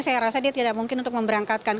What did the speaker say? saya rasa dia tidak mungkin untuk memberangkatkan